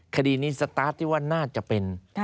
คดีนี้สตาร์ทที่ว่าน่าจะเป็น